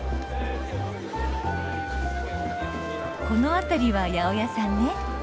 この辺りは八百屋さんね。